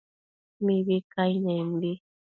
mibi cainenbi